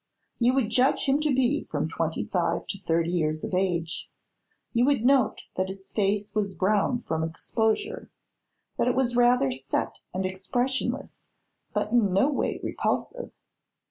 You would judge him to be from twenty five to thirty years of age; you would note that his face was browned from exposure, that it was rather set and expressionless but in no way repulsive.